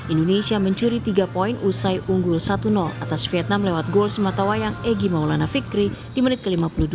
indonesia mencuri tiga poin usai unggul satu atas vietnam lewat gol sematawayang egy maulana fikri di menit ke lima puluh dua